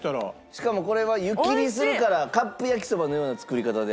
しかもこれは湯切りするからカップ焼きそばのような作り方で。